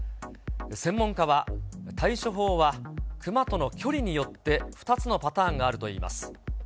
専門家は、対処法はクマとの距離によって、２つのパターンがあるといいます。